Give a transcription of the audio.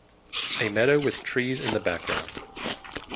A meadow with trees in the background.